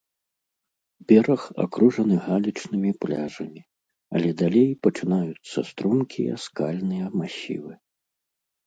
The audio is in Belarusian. Бераг акружаны галечнымі пляжамі, але далей пачынаюцца стромкія скальныя масівы.